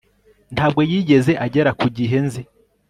ntabwo yigeze agera ku gihe nzi